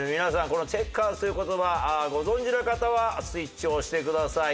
このチェッカーズという言葉ご存じの方はスイッチを押してください。